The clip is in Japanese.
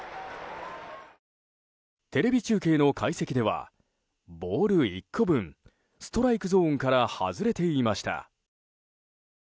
テレビ中継の解析ではボール１個分ストライクゾーンから外れていました。